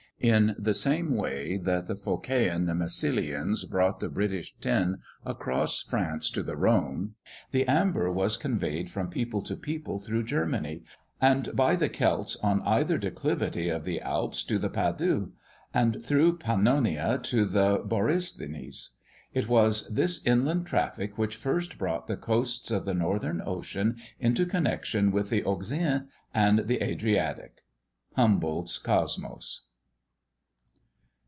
In the same way that the Phocæan Massilians brought the British tin across France to the Rhone, the amber was conveyed from people to people through Germany, and by the Celts on either declivity of the Alps to the Padus, and through Pannonia to the Borysthenes. It was this inland traffic which first brought the coasts of the Northern ocean into connexion with the Euxine and the Adriatic. _Humboldt's Cosmos.